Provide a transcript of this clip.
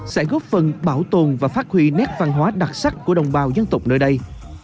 sẽ góp phần bảo tồn và phát huy nét văn hóa đặc sắc của đồng bào dân tộc nơi đây